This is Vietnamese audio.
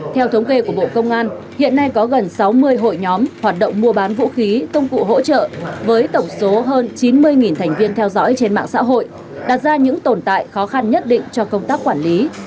theo thống kê của bộ công an hiện nay có gần sáu mươi hội nhóm hoạt động mua bán vũ khí công cụ hỗ trợ với tổng số hơn chín mươi thành viên theo dõi trên mạng xã hội đặt ra những tồn tại khó khăn nhất định cho công tác quản lý